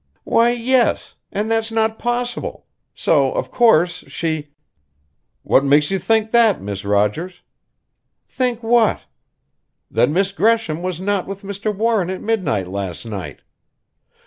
"Why, yes and that's not possible; so, of course, she " "What makes you think that, Miss Rogers!" "Think what?" "That Miss Gresham was not with Mr. Warren at midnight last night?"